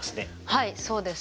はいそうですね。